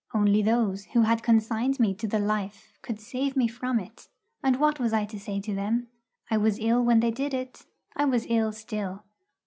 Only those who had consigned me to the life could save me from it, and what was I to say to them? I was ill when they did it; I was ill still.